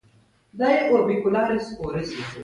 د بریښنا قطع کول کمپیوټر ته زیان رسولی شي.